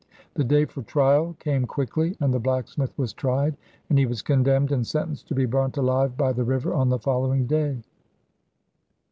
The day for trial came quickly, and the blacksmith was tried, and he was condemned and sentenced to be burnt alive by the river on the following day.